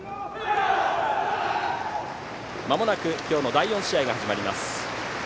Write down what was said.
まもなく今日の第４試合が始まります。